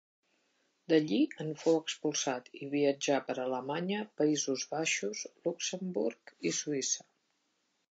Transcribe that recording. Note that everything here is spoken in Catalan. D'allí en fou expulsat i viatjà per Alemanya, Països Baixos, Luxemburg i Suïssa.